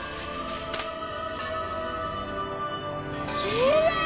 きれい！